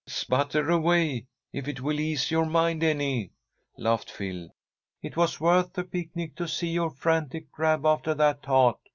"Sputter away, if it will ease your mind any," laughed Phil. "It was worth the picnic to see your frantic grab after that tart.